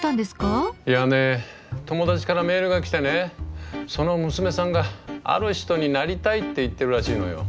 いやね友達からメールが来てねその娘さんが「ある人」になりたいって言ってるらしいのよ。